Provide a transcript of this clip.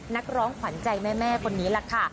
นักร้องขวัญใจแม่คนนี้แหละค่ะ